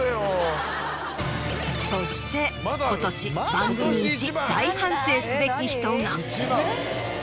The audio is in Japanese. そして今年番組一大反省すべき人が。